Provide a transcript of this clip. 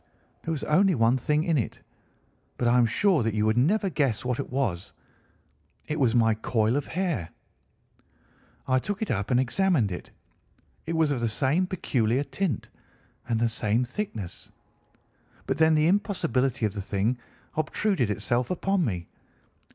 There was only one thing in it, but I am sure that you would never guess what it was. It was my coil of hair. "I took it up and examined it. It was of the same peculiar tint, and the same thickness. But then the impossibility of the thing obtruded itself upon me.